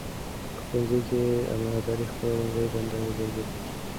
په ښوونځي کې امانتداري خپله لومړنۍ دنده وګرځوئ.